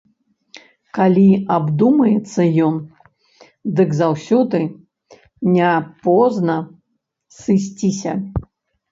Калі абдумаецца ён, дык заўсёды не позна сысціся.